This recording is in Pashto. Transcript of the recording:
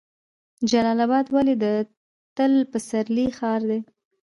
جلال اباد ولې د تل پسرلي ښار دی؟